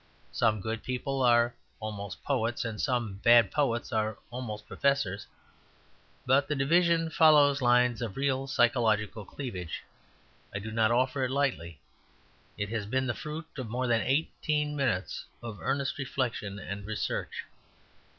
Some good people are almost poets and some bad poets are almost professors. But the division follows lines of real psychological cleavage. I do not offer it lightly. It has been the fruit of more than eighteen minutes of earnest reflection and research.